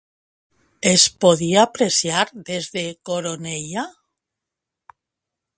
Es podia apreciar des de Coroneia?